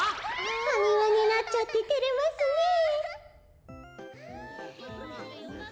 ハニワになっちゃっててれますねえ。